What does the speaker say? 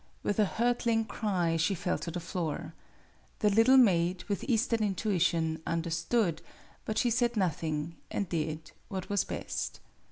With a hurtling cry, she fell to the floor. The little maid, with Eastern intuition, understood; but she said nothing, and did what was best.